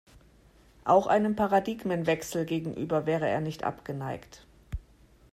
Auch einem Paradigmenwechsel gegenüber wäre er nicht abgeneigt.